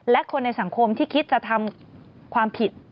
และคนในสังคมที่คิดจะทำความผิด